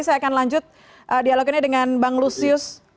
saya akan lanjut dialog ini dengan bang lusius